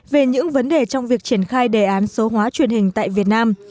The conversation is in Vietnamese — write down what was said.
về những vấn đề trong việc triển khai đề án số hóa truyền hình tại việt nam